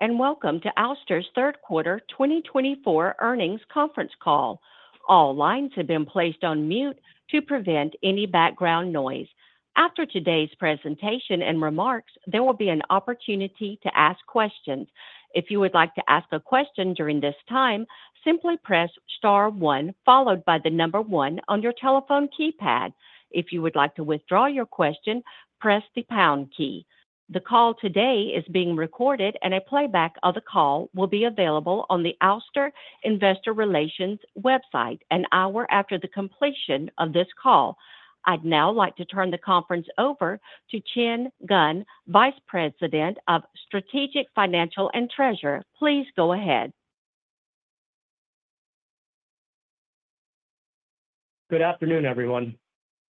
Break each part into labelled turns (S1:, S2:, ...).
S1: Welcome to Ouster's third quarter 2024 earnings conference call. All lines have been placed on mute to prevent any background noise. After today's presentation and remarks, there will be an opportunity to ask questions. If you would like to ask a question during this time, simply press star one followed by the number one on your telephone keypad. If you would like to withdraw your question, press the pound key. The call today is being recorded, and a playback of the call will be available on the Ouster Investor Relations website an hour after the completion of this call. I'd now like to turn the conference over to Chen Geng, Vice President of Strategic Finance and Treasurer. Please go ahead.
S2: Good afternoon, everyone.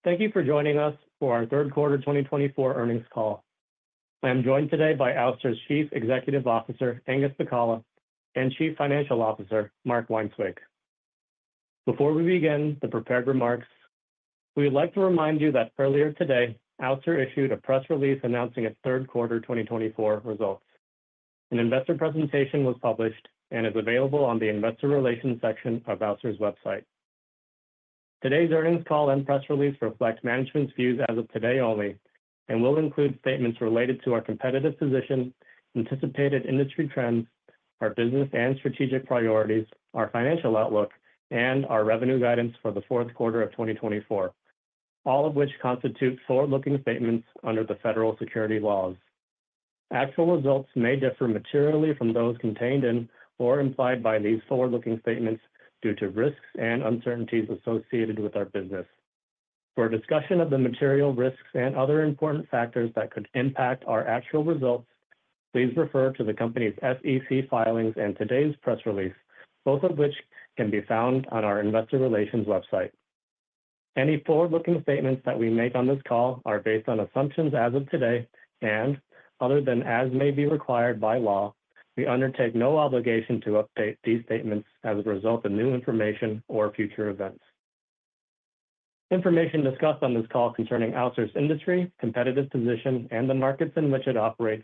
S2: Thank you for joining us for our third quarter 2024 earnings call. I am joined today by Ouster's Chief Executive Officer, Angus Pacala, and Chief Financial Officer, Mark Weinswig. Before we begin the prepared remarks, we would like to remind you that earlier today, Ouster issued a press release announcing its third quarter 2024 results. An investor presentation was published and is available on the Investor Relations section of Ouster's website. Today's earnings call and press release reflect management's views as of today only and will include statements related to our competitive position, anticipated industry trends, our business and strategic priorities, our financial outlook, and our revenue guidance for the fourth quarter of 2024, all of which constitute forward-looking statements under the federal securities laws. Actual results may differ materially from those contained in or implied by these forward-looking statements due to risks and uncertainties associated with our business. For discussion of the material risks and other important factors that could impact our actual results, please refer to the company's SEC filings and today's press release, both of which can be found on our Investor Relations website. Any forward-looking statements that we make on this call are based on assumptions as of today and, other than as may be required by law, we undertake no obligation to update these statements as a result of new information or future events. Information discussed on this call concerning Ouster's industry, competitive position, and the markets in which it operates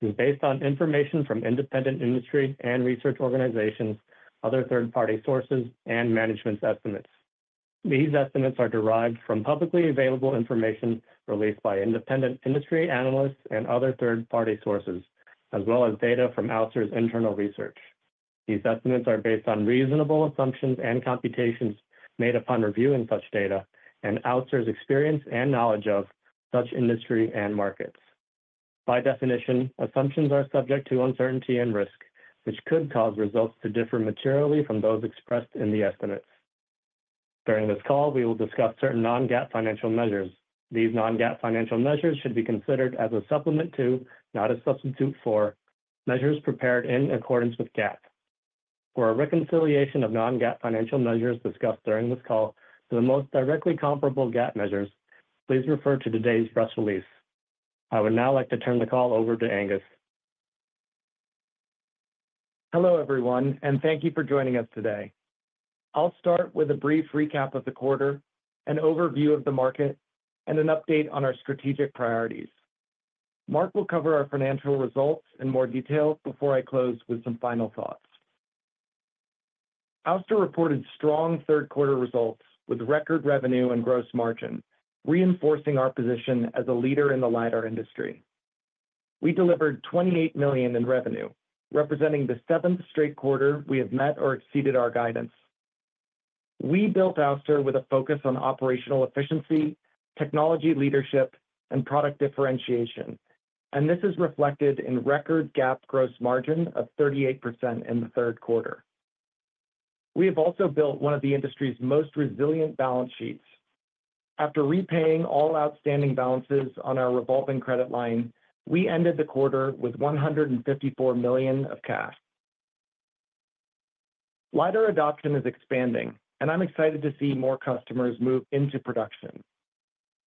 S2: is based on information from independent industry and research organizations, other third-party sources, and management's estimates. These estimates are derived from publicly available information released by independent industry analysts and other third-party sources, as well as data from Ouster's internal research. These estimates are based on reasonable assumptions and computations made upon reviewing such data and Ouster's experience and knowledge of such industry and markets. By definition, assumptions are subject to uncertainty and risk, which could cause results to differ materially from those expressed in the estimates. During this call, we will discuss certain non-GAAP financial measures. These non-GAAP financial measures should be considered as a supplement to, not a substitute for, measures prepared in accordance with GAAP. For a reconciliation of non-GAAP financial measures discussed during this call to the most directly comparable GAAP measures, please refer to today's press release. I would now like to turn the call over to Angus.
S3: Hello, everyone, and thank you for joining us today. I'll start with a brief recap of the quarter, an overview of the market, and an update on our strategic priorities. Mark will cover our financial results in more detail before I close with some final thoughts. Ouster reported strong third-quarter results with record revenue and gross margin, reinforcing our position as a leader in the lidar industry. We delivered $28 million in revenue, representing the seventh straight quarter we have met or exceeded our guidance. We built Ouster with a focus on operational efficiency, technology leadership, and product differentiation, and this is reflected in record GAAP gross margin of 38% in the third quarter. We have also built one of the industry's most resilient balance sheets. After repaying all outstanding balances on our revolving credit line, we ended the quarter with $154 million of cash. Lidar adoption is expanding, and I'm excited to see more customers move into production.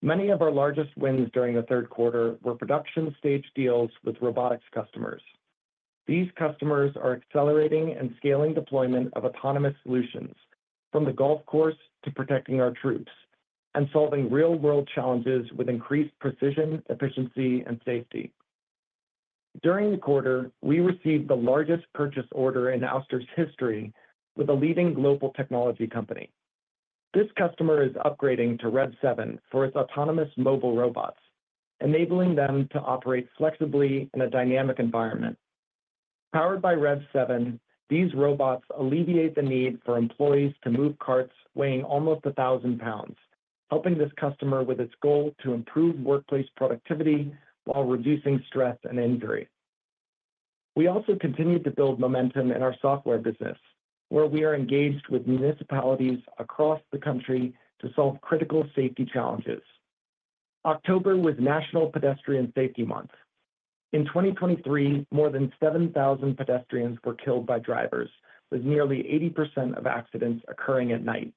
S3: Many of our largest wins during the third quarter were production-stage deals with robotics customers. These customers are accelerating and scaling deployment of autonomous solutions, from the golf course to protecting our troops, and solving real-world challenges with increased precision, efficiency, and safety. During the quarter, we received the largest purchase order in Ouster's history with a leading global technology company. This customer is upgrading to REV7 for its autonomous mobile robots, enabling them to operate flexibly in a dynamic environment. Powered by REV7, these robots alleviate the need for employees to move carts weighing almost 1,000 pounds, helping this customer with its goal to improve workplace productivity while reducing stress and injury. We also continue to build momentum in our software business, where we are engaged with municipalities across the country to solve critical safety challenges. October was National Pedestrian Safety Month. In 2023, more than 7,000 pedestrians were killed by drivers, with nearly 80% of accidents occurring at night.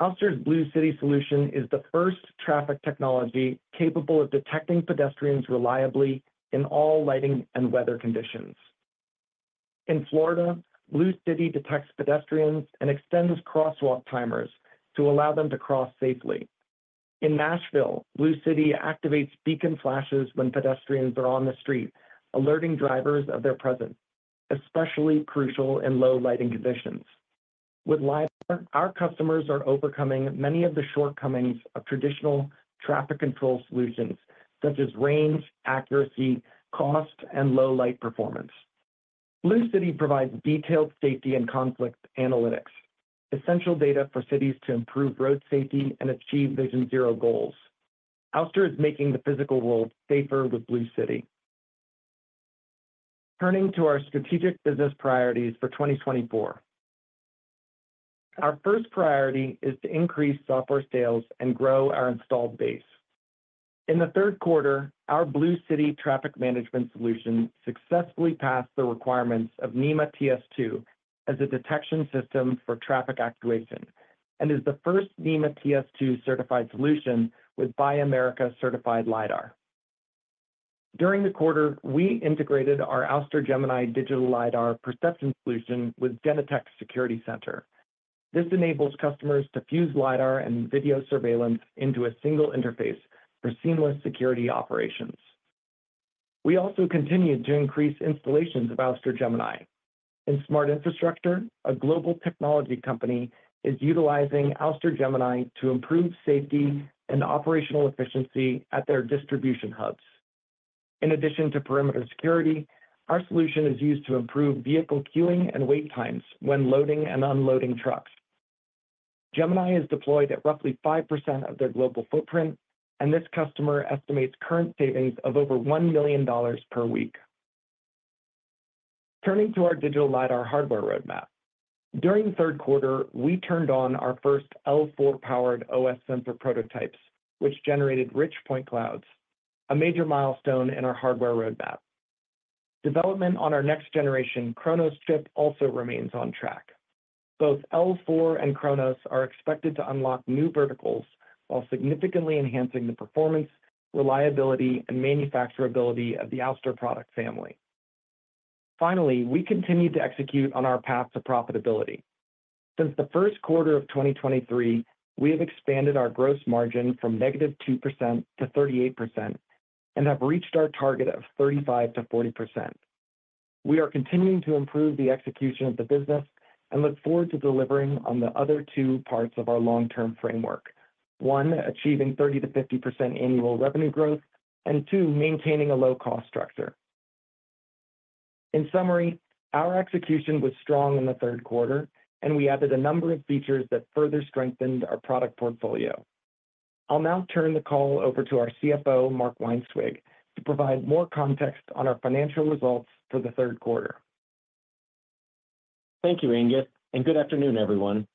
S3: Ouster's Blue City solution is the first traffic technology capable of detecting pedestrians reliably in all lighting and weather conditions. In Florida, Blue City detects pedestrians and extends crosswalk timers to allow them to cross safely. In Nashville, Blue City activates beacon flashes when pedestrians are on the street, alerting drivers of their presence, especially crucial in low lighting conditions. With Lidar, our customers are overcoming many of the shortcomings of traditional traffic control solutions, such as range, accuracy, cost, and low light performance. Blue City provides detailed safety and conflict analytics, essential data for cities to improve road safety and achieve Vision Zero goals. Ouster is making the physical world safer with Blue City. Turning to our strategic business priorities for 2024, our first priority is to increase software sales and grow our installed base. In the third quarter, our Blue City traffic management solution successfully passed the requirements of NEMA TS2 as a detection system for traffic actuation and is the first NEMA TS2 certified solution with Buy America certified Lidar. During the quarter, we integrated our Ouster Gemini digital Lidar perception solution with Genetec Security Center. This enables customers to fuse Lidar and video surveillance into a single interface for seamless security operations. We also continue to increase installations of Ouster Gemini. In smart infrastructure, a global technology company is utilizing Ouster Gemini to improve safety and operational efficiency at their distribution hubs. In addition to perimeter security, our solution is used to improve vehicle queuing and wait times when loading and unloading trucks. Gemini is deployed at roughly 5% of their global footprint, and this customer estimates current savings of over $1 million per week. Turning to our digital Lidar hardware roadmap, during the third quarter, we turned on our first L4-powered OS sensor prototypes, which generated rich point clouds, a major milestone in our hardware roadmap. Development on our next-generation Kronos chip also remains on track. Both L4 and Kronos are expected to unlock new verticals while significantly enhancing the performance, reliability, and manufacturability of the Ouster product family. Finally, we continue to execute on our path to profitability. Since the first quarter of 2023, we have expanded our gross margin from negative 2%-38% and have reached our target of 35%-40%. We are continuing to improve the execution of the business and look forward to delivering on the other two parts of our long-term framework: one, achieving 30%-50% annual revenue growth, and two, maintaining a low-cost structure. In summary, our execution was strong in the third quarter, and we added a number of features that further strengthened our product portfolio. I'll now turn the call over to our CFO, Mark Weinswig, to provide more context on our financial results for the third quarter.
S4: Thank you, Angus, and good afternoon, everyone.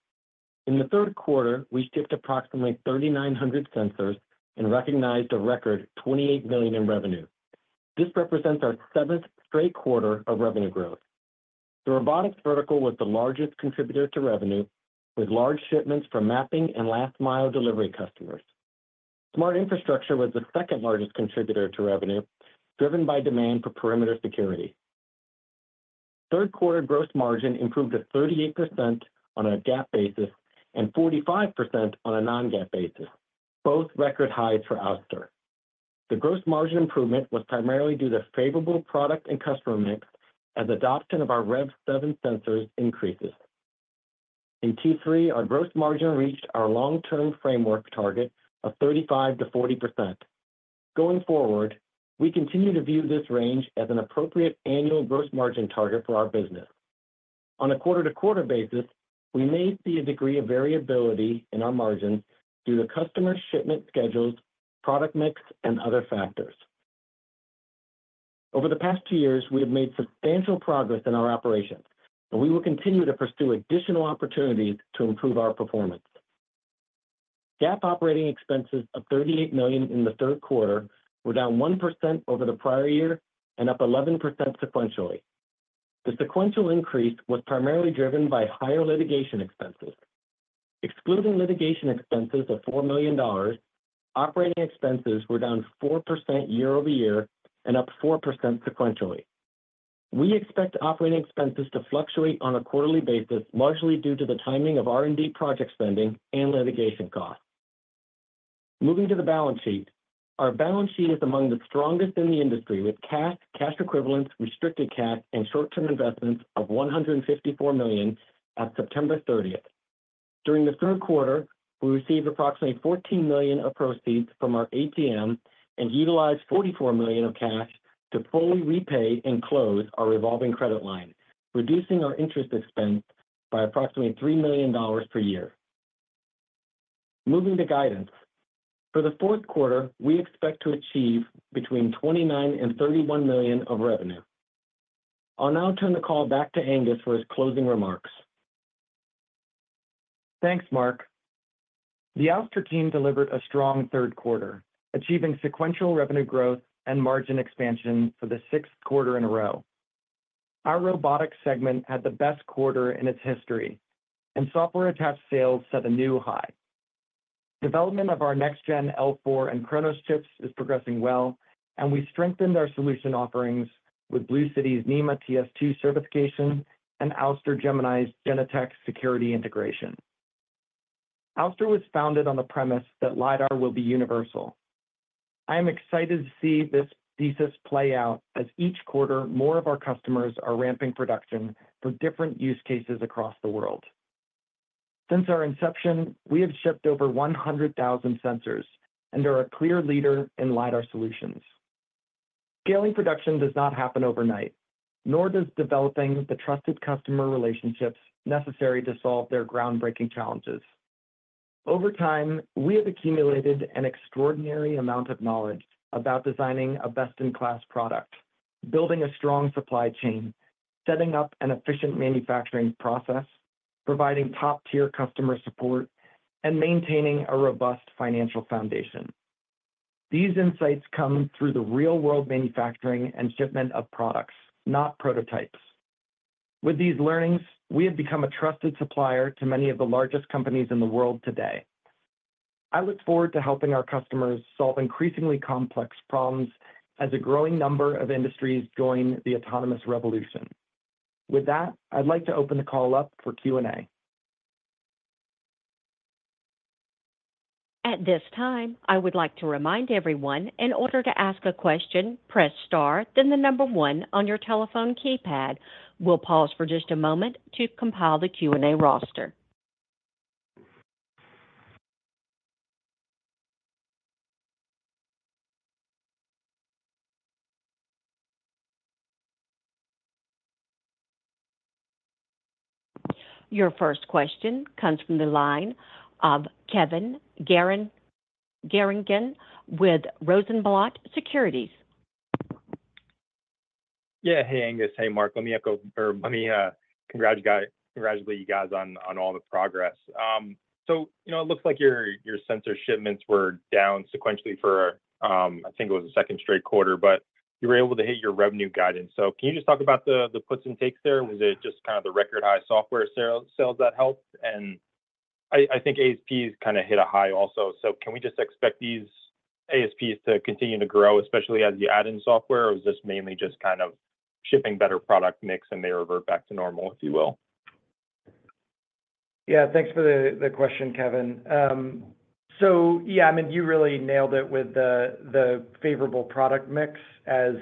S4: In the third quarter, we shipped approximately 3,900 sensors and recognized a record $28 million in revenue. This represents our seventh straight quarter of revenue growth. The robotics vertical was the largest contributor to revenue, with large shipments from mapping and last-mile delivery customers. Smart infrastructure was the second-largest contributor to revenue, driven by demand for perimeter security. Third-quarter gross margin improved to 38% on a GAAP basis and 45% on a non-GAAP basis, both record highs for Ouster. The gross margin improvement was primarily due to favorable product and customer mix as adoption of our REV7 sensors increases. In Q3, our gross margin reached our long-term framework target of 35%-40%. Going forward, we continue to view this range as an appropriate annual gross margin target for our business. On a quarter-to-quarter basis, we may see a degree of variability in our margins due to customer shipment schedules, product mix, and other factors. Over the past two years, we have made substantial progress in our operations, and we will continue to pursue additional opportunities to improve our performance. GAAP operating expenses of $38 million in the third quarter were down 1% over the prior year and up 11% sequentially. The sequential increase was primarily driven by higher litigation expenses. Excluding litigation expenses of $4 million, operating expenses were down 4% year over year and up 4% sequentially. We expect operating expenses to fluctuate on a quarterly basis, largely due to the timing of R&D project spending and litigation costs. Moving to the balance sheet, our balance sheet is among the strongest in the industry, with cash, cash equivalents, restricted cash, and short-term investments of $154 million at September 30. During the third quarter, we received approximately $14 million of proceeds from our ATM and utilized $44 million of cash to fully repay and close our revolving credit line, reducing our interest expense by approximately $3 million per year. Moving to guidance, for the fourth quarter, we expect to achieve between $29 million and $31 million of revenue. I'll now turn the call back to Angus for his closing remarks.
S3: Thanks, Mark. The Ouster team delivered a strong third quarter, achieving sequential revenue growth and margin expansion for the sixth quarter in a row. Our robotics segment had the best quarter in its history, and software attached sales set a new high. Development of our next-gen L4 and Kronos chips is progressing well, and we strengthened our solution offerings with Blue City's NEMA TS2 certification and Ouster Gemini's Genetec security integration. Ouster was founded on the premise that LIDAR will be universal. I am excited to see this thesis play out as each quarter more of our customers are ramping production for different use cases across the world. Since our inception, we have shipped over 100,000 sensors and are a clear leader in LIDAR solutions. Scaling production does not happen overnight, nor does developing the trusted customer relationships necessary to solve their groundbreaking challenges. Over time, we have accumulated an extraordinary amount of knowledge about designing a best-in-class product, building a strong supply chain, setting up an efficient manufacturing process, providing top-tier customer support, and maintaining a robust financial foundation. These insights come through the real-world manufacturing and shipment of products, not prototypes. With these learnings, we have become a trusted supplier to many of the largest companies in the world today. I look forward to helping our customers solve increasingly complex problems as a growing number of industries join the autonomous revolution. With that, I'd like to open the call up for Q&A.
S1: At this time, I would like to remind everyone, in order to ask a question, press Star, then the number one on your telephone keypad. We'll pause for just a moment to compile the Q&A roster. Your first question comes from the line of Kevin Garrigan with Rosenblatt Securities.
S5: Yeah, hey, Angus. Hey, Mark. Let me echo or let me congratulate you guys on all the progress. So it looks like your sensor shipments were down sequentially for, I think it was the second straight quarter, but you were able to hit your revenue guidance. So can you just talk about the puts and takes there? Was it just kind of the record high software sales that helped? And I think ASPs kind of hit a high also. So can we just expect these ASPs to continue to grow, especially as you add in software, or is this mainly just kind of shipping better product mix and they revert back to normal, if you will?
S3: Yeah, thanks for the question, Kevin. So yeah, I mean, you really nailed it with the favorable product mix as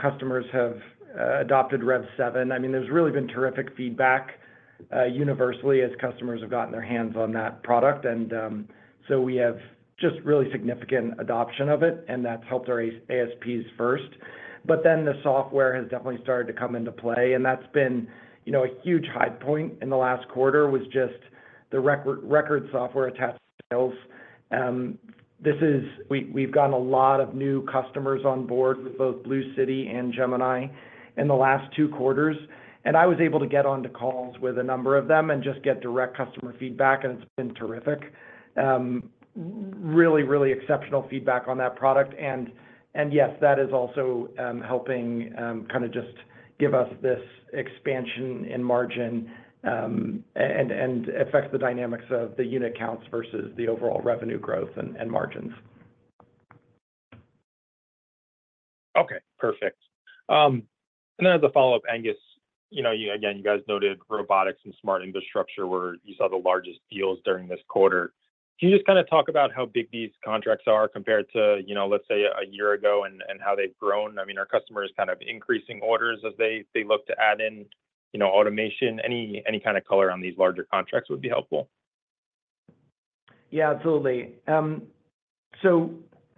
S3: customers have adopted REV7. I mean, there's really been terrific feedback universally as customers have gotten their hands on that product. And so we have just really significant adoption of it, and that's helped our ASPs first. But then the software has definitely started to come into play. And that's been a huge high point in the last quarter was just the record software attached sales. We've gotten a lot of new customers on board with both Blue City and Gemini in the last two quarters. And I was able to get on to calls with a number of them and just get direct customer feedback, and it's been terrific. Really, really exceptional feedback on that product. Yes, that is also helping kind of just give us this expansion in margin and affects the dynamics of the unit counts versus the overall revenue growth and margins.
S5: Okay, perfect. And then as a follow-up, Angus, again, you guys noted robotics and smart infrastructure were where you saw the largest deals during this quarter. Can you just kind of talk about how big these contracts are compared to, let's say, a year ago and how they've grown? I mean, are customers kind of increasing orders as they look to add in automation? Any kind of color on these larger contracts would be helpful.
S3: Yeah, absolutely. So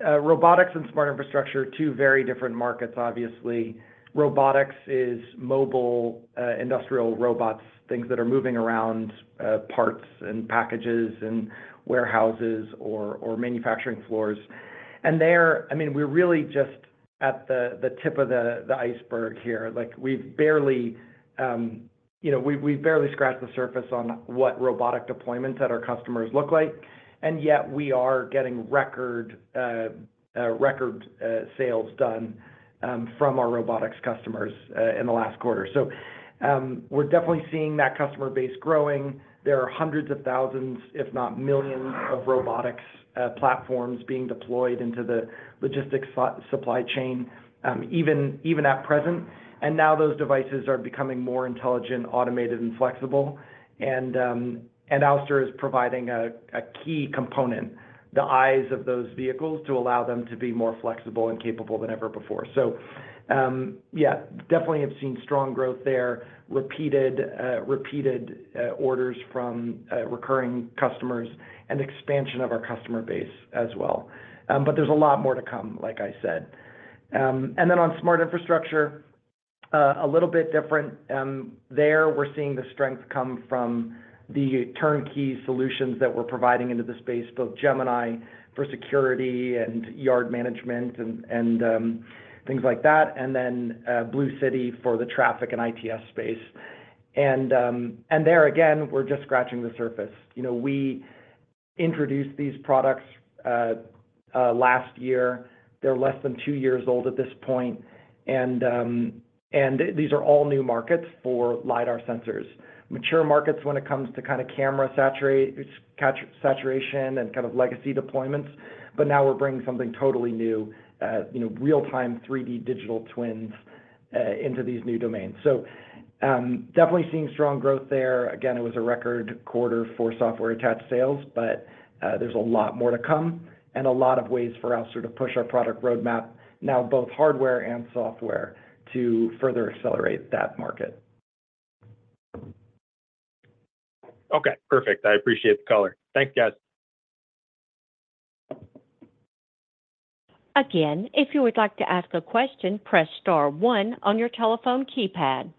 S3: robotics and smart infrastructure, two very different markets, obviously. Robotics is mobile industrial robots, things that are moving around parts and packages and warehouses or manufacturing floors. And there, I mean, we're really just at the tip of the iceberg here. We've barely scratched the surface on what robotic deployments at our customers look like. And yet we are getting record sales done from our robotics customers in the last quarter. So we're definitely seeing that customer base growing. There are hundreds of thousands, if not millions, of robotics platforms being deployed into the logistics supply chain even at present. And now those devices are becoming more intelligent, automated, and flexible. And Ouster is providing a key component, the eyes of those vehicles to allow them to be more flexible and capable than ever before. So yeah, definitely have seen strong growth there, repeated orders from recurring customers and expansion of our customer base as well. But there's a lot more to come, like I said. And then on smart infrastructure, a little bit different. There we're seeing the strength come from the turnkey solutions that we're providing into the space, both Gemini for security and yard management and things like that, and then Blue City for the traffic and ITS space. And there, again, we're just scratching the surface. We introduced these products last year. They're less than two years old at this point. And these are all new markets for lidar sensors, mature markets when it comes to kind of camera saturation and kind of legacy deployments. But now we're bringing something totally new, real-time 3D digital twins into these new domains. So definitely seeing strong growth there. Again, it was a record quarter for software attached sales, but there's a lot more to come and a lot of ways for Ouster to push our product roadmap, now both hardware and software, to further accelerate that market.
S5: Okay, perfect. I appreciate the color. Thanks, guys.
S1: Again, if you would like to ask a question, press Star 1 on your telephone keypad.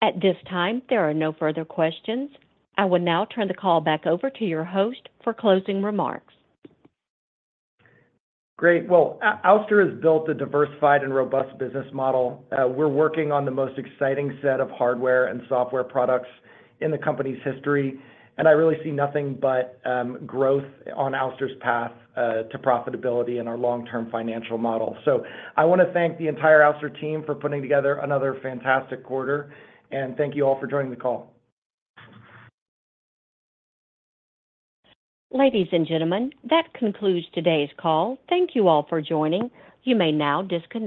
S1: At this time, there are no further questions. I will now turn the call back over to your host for closing remarks.
S3: Great. Well, Ouster has built a diversified and robust business model. We're working on the most exciting set of hardware and software products in the company's history. And I really see nothing but growth on Ouster's path to profitability and our long-term financial model. So I want to thank the entire Ouster team for putting together another fantastic quarter. And thank you all for joining the call.
S1: Ladies and gentlemen, that concludes today's call. Thank you all for joining. You may now disconnect.